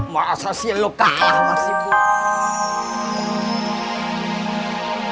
masa sih lo kalah mas ibu